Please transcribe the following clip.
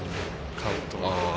カウント。